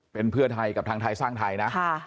เป็นเพื่อไทยกับทางไทยสร้างไทยนะ